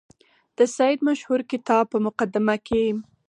د سید مشهور کتاب په مقدمه کې.